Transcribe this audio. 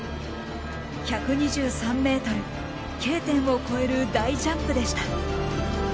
１２３ｍＫ点を超える大ジャンプでした。